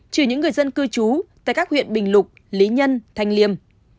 trừ những người dân cư trú tại các huyện bình lục lý nhân thanh liêm